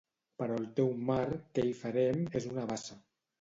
Però el teu mar, què hi farem, és una bassa.